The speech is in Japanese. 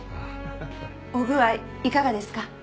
お具合いかがですか？